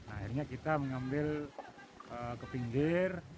akhirnya kita mengambil ke pinggir